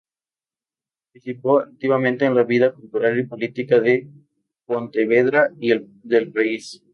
Participó activamente en la vida cultural y política de Pontevedra y del país.